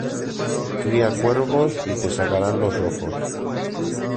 Cría cuervos y te sacaran los ojos.